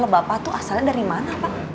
emangnya kalau bapak tuh asalnya dari mana pak